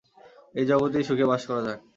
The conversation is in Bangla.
এই জগতেই সুখে বাস করা যাক।